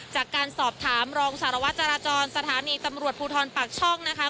จากการสอบถามรองสารวัตรจราจรสถานีตำรวจภูทรปากช่องนะคะ